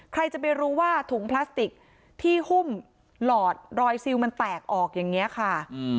ใครจะไปรู้ว่าถุงพลาสติกที่หุ้มหลอดรอยซิลมันแตกออกอย่างนี้ค่ะ